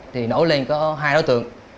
thì nổ lên có hai đối tượng